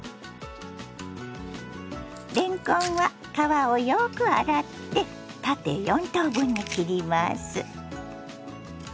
れんこんは皮をよく洗って縦４等分に切ります。